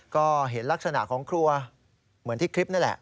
ก็เห็นลักษณะของครัวเหมือนที่คลิปนั่นแหละ